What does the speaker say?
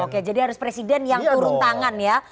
oke jadi harus presiden yang turun tangan ya